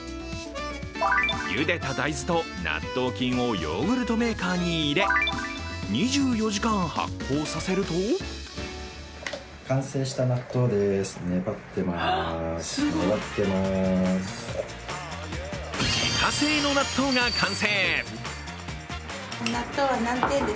ゆでた大豆と、納豆菌をヨーグルトメーカーにいれ２４時間発酵させると自家製の納豆が完成。